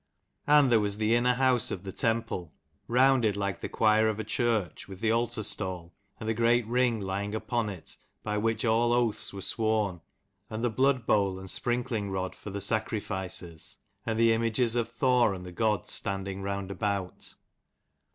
And there was the inner house of the temple, rounded like the choir of a church, with the altar stall, and the great ring lying upon it by which all oaths were sworn, and the blood bowl and sprinkling rod for the sacrifices, and the images of Thor and the gods standing round about.